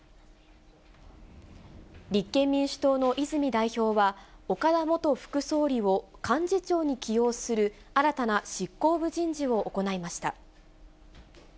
立憲民主党の泉代表は、岡田元副総理を幹事長に起用する、新たな執行部人事を行いました。